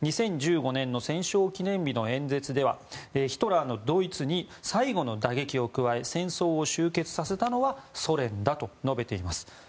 ２０１５年の戦勝記念日の演説ではヒトラーのドイツに最後の打撃を加え戦争を終結させたのはソ連だと述べています。